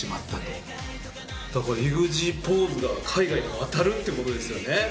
だからイグジーポーズが海外に渡るって事ですよね。